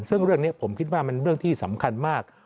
ซึ่งเรื่องนี้ผมคิดว่ามันเรื่องที่สำคัญมาก